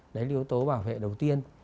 đấy là yếu tố bảo vệ đầu tiên